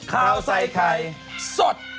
ข่าวใส่ไข่สด